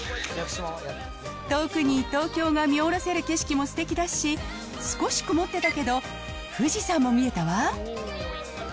遠くに東京が見下ろせる景色もすてきだし、少し曇ってたけど、富士山も見えたわ。